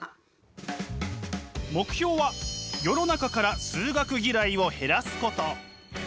目標は世の中から数学嫌いを減らすこと。